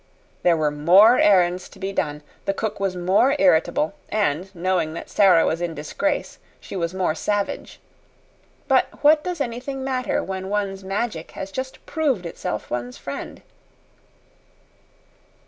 There were more errands to be done, the cook was more irritable, and, knowing that Sara was in disgrace, she was more savage. But what does anything matter when one's Magic has just proved itself one's friend.